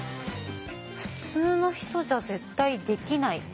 普通の人じゃ絶対できない。